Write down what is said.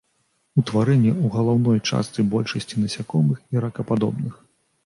Утварэнні ў галаўной частцы большасці насякомых і ракападобных.